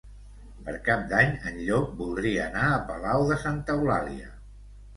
Per Cap d'Any en Llop voldria anar a Palau de Santa Eulàlia.